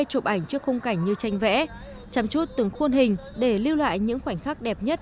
chụp ảnh trước khung cảnh như tranh vẽ chăm chút từng khuôn hình để lưu lại những khoảnh khắc đẹp nhất